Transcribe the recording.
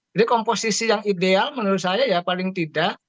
jadi komposisi yang ideal menurut saya ya paling tidak